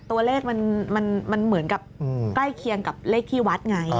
ตัวเลขมันเหมือนกับใกล้เคียงกับเลขที่วัดไง